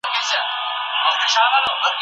د هغه کارونو اقتصادي بدلونونه راوستل.